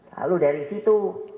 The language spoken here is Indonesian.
lalu dari situ